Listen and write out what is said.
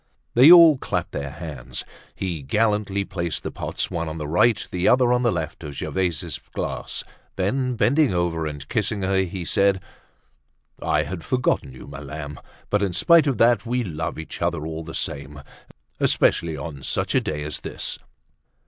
They all clapped their hands. He gallantly placed the pots, one on the right, the other on the left of Gervaise's glass; then bending over and kissing her, he said: "I had forgotten you, my lamb. But in spite of that, we love each other all the same, especially on such a day as this."